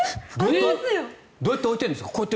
どうやって置いてるんですか？